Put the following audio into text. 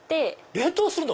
冷凍するの？